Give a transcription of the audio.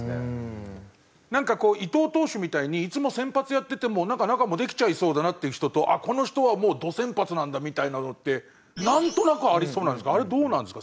なんかこう伊藤投手みたいにいつも先発やってても中もできちゃいそうだなっていう人とこの人はもうど先発なんだみたいなのってなんとなくありそうなんですがあれどうなんですか？